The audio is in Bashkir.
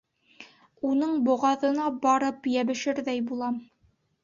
Уның боғаҙына барып йәбешерҙәй булам.